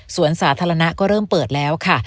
ส่วนสาธารณะก็เริ่มเปิดแล้วค่ะ